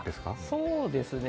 そうですね。